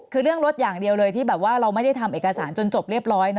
คือเรื่องรถอย่างเดียวเลยที่แบบว่าเราไม่ได้ทำเอกสารจนจบเรียบร้อย